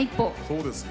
そうですよ。